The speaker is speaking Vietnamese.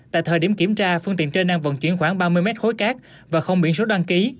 tại thời điểm kiểm tra phương tiện trên đang vận chuyển khoảng ba mươi mét khối cát và không biển số đăng ký